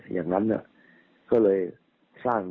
อย่างนั้นก็เลยสร้าง